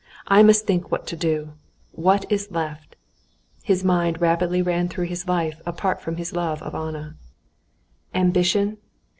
"I must think what to do. What is left?" His mind rapidly ran through his life apart from his love of Anna. "Ambition?